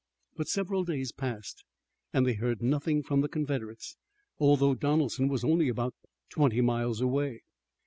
But several days passed and they heard nothing from the Confederates, although Donelson was only about twenty miles away.